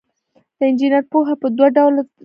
د انجینر پوهه په دوه ډوله لاس ته راځي.